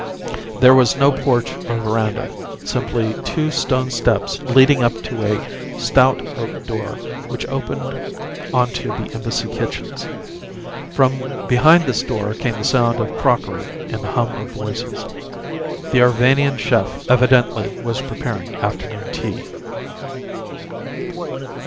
There was no porch or veranda, simply two stone steps leading up to a stout oak door which opened onto the embassy kitchens. From behind this door came the sound of crockery and the hum of voices. The Arvanian chef evidently was preparing afternoon tea.